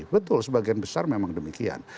betul sebagian besar memang demikian